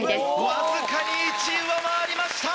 わずかに１上回りました！